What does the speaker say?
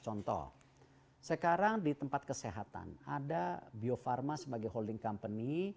contoh sekarang di tempat kesehatan ada bio farma sebagai holding company